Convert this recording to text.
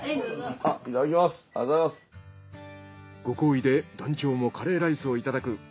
ご厚意で団長もカレーライスを頂く。